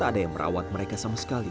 ada yang merawat mereka sama sekali